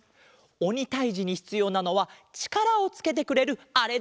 おにたいじにひつようなのはちからをつけてくれるあれだわん。